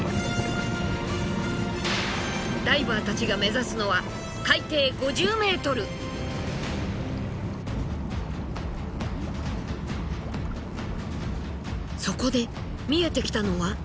ダイバーたちが目指すのはそこで見えてきたのは。